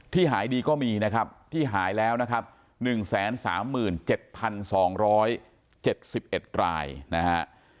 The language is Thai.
หายดีก็มีนะครับที่หายแล้วนะครับ๑๓๗๒๗๑รายนะฮะ